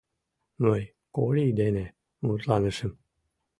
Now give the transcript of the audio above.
Мый Корий дене мутланышым.